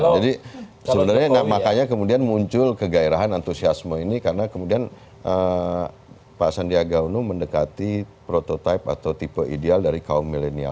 jadi sebenarnya makanya kemudian muncul kegairahan antusiasme ini karena kemudian pak sandiaga unum mendekati prototipe atau tipe ideal dari kaum milenial